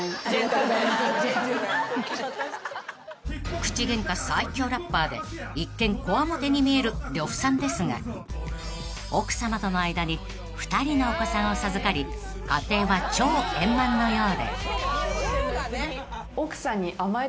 ［口ゲンカ最強ラッパーで一見こわもてに見える呂布さんですが奥さまとの間に２人のお子さんを授かり家庭は超円満のようで］